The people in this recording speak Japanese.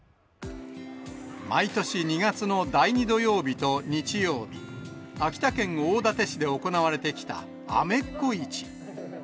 毎年２月の第２土曜日と日曜日、秋田県大館市で行われてきた、アメッコ市。